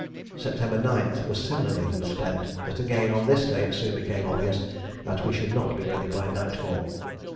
September 9th was similarly spent, but again on this day it soon became obvious that we should not be ready by nightfall.